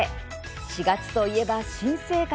４月といえば新生活。